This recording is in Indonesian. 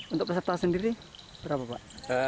untuk peserta sendiri berapa pak